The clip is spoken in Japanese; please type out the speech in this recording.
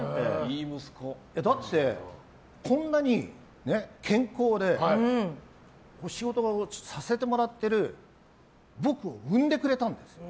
だって、こんなに健康で仕事をさせてもらってる僕を生んでくれたんですよ。